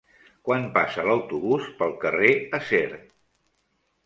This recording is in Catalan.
Quan passa l'autobús pel carrer Acer?